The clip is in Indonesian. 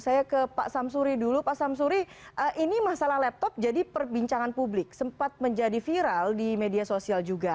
saya ke pak samsuri dulu pak samsuri ini masalah laptop jadi perbincangan publik sempat menjadi viral di media sosial juga